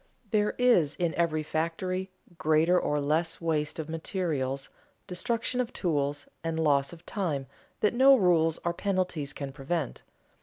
There is, in every factory, greater or less waste of materials, destruction of tools, and loss of time, that no rules or penalties can prevent.